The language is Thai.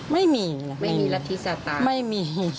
ไม่มีไม่มีรับทรีย์สตาร์ท